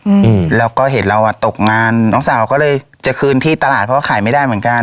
อืมแล้วก็เห็นเราอ่ะตกงานน้องสาวก็เลยจะคืนที่ตลาดเพราะว่าขายไม่ได้เหมือนกัน